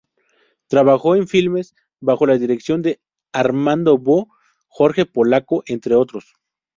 Trabajó en filmes bajo la dirección de Armando Bó, Jorge Polaco, entre otros.